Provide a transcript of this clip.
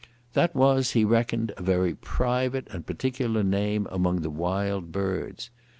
That was, he reckoned, a very private and particular name among the Wild Birds.